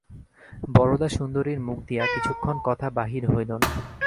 বরদাসুন্দরীর মুখ দিয়া কিছুক্ষণ কথা বাহির হইল না।